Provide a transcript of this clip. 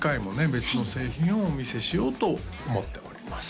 別の製品をお見せしようと思っております